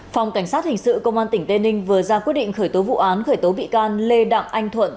phòng cảnh sát hình sự công an tỉnh tây ninh vừa ra quyết định khởi tố vụ án khởi tố bị can lê đặng anh thuận